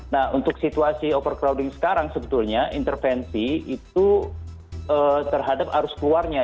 nah untuk situasi overcrowding sekarang sebetulnya intervensi itu terhadap arus keluarnya